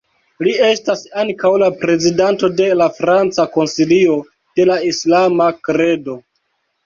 Li estas ankaŭ la prezidanto de la Franca Konsilio de la Islama Kredo.